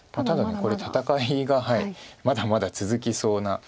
ただこれ戦いがまだまだ続きそうな。